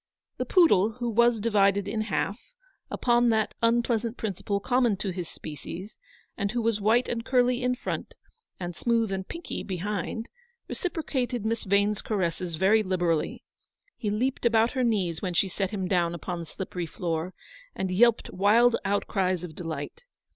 The poodle, who was divided in half, upon that unpleasant principle common to his species, and who was white and curly in front, and smooth and pinky behind, reciprocated Miss Vane's caresses very liberally. He leaped about her knees when she set him down upon the slippery floor, and yelped wild outcries of delight.